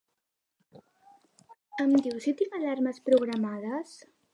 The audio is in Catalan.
Em dius si tinc alarmes programades?